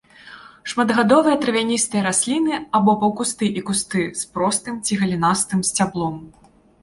Шматгадовыя травяністыя расліны або паўкусты і кусты з простым ці галінастым сцяблом.